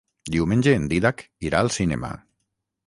Diumenge en Dídac irà al cinema.